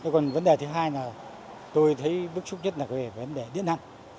còn vấn đề thứ hai là tôi thấy bức xúc nhất là vấn đề điện năng